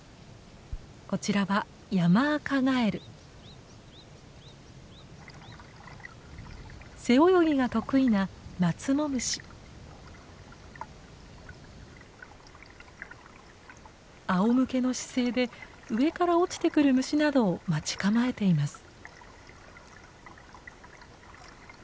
こちらは背泳ぎが得意なあおむけの姿勢で上から落ちてくる虫などを待ち構えています。